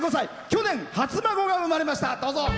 去年、初孫が生まれました。